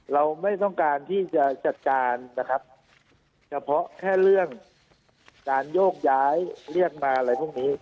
เราไม่ต้องการที่จะจัดการนะครับเฉพาะแค่เรื่องการโยกย้ายเรียกมาอะไรพวกนี้